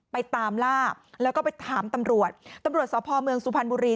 ตามล่าแล้วก็ไปถามตำรวจตำรวจสพเมืองสุพรรณบุรี